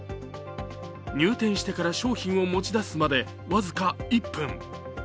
入店してから商品を持ち出すまで僅か１分。